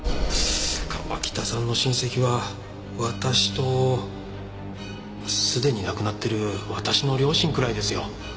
川喜多さんの親戚は私とすでに亡くなってる私の両親くらいですよ。